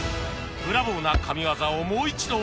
ブラボーな神業をもう一度